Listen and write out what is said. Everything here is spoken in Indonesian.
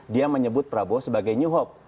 dia menyebut prabowo sebagai new hope